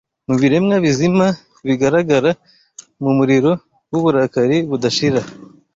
Mubiremwa bizima bigaragara Mu muriro wuburakari budashira